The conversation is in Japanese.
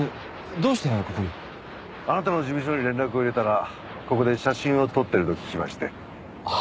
どうしてここに？あなたの事務所に連絡を入れたらここで写真を撮ってると聞きまして。